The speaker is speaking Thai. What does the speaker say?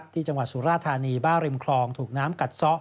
ที่จังหวัดสุราธารณีบ้าริมครองถูกน้ำกัดซ่อ